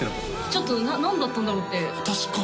ちょっと何だったんだろうって「私か！」